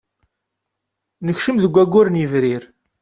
Nekcem deg waggur n yebrir.